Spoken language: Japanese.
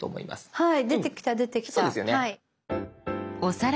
はい。